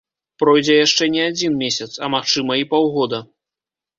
Пройдзе яшчэ не адзін месяц, а, магчыма, і паўгода.